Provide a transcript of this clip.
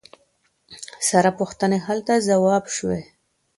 ثره پوښتنې هلته ځواب شوي.